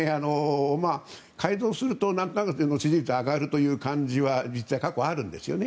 改造すると、なんとなく支持率が上がるという感じは実際、過去にあるんですね。